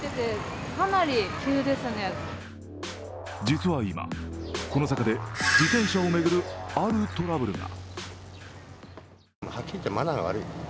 実は今、この坂で自転車を巡るあるトラブルが。